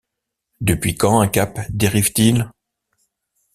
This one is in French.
Depuis quand un cap dérive-t-il?